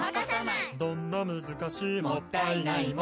「どんな難しいもったいないも」